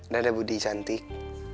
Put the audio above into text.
dadah budi cantik